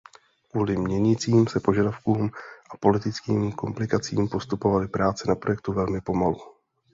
Kvůli měnícím se požadavkům a politickým komplikacím postupovaly práce na projektu velmi pomalu.